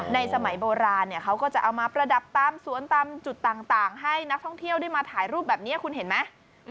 สมัยโบราณเขาก็จะเอามาประดับตามสวนตามจุดต่างให้นักท่องเที่ยวได้มาถ่ายรูปแบบนี้คุณเห็นไหม